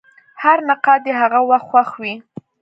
هر نقاد یې هغه وخت خوښ وي.